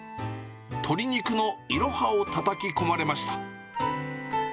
鶏肉のいろはをたたき込まれました。